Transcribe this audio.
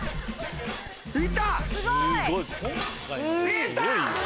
いった！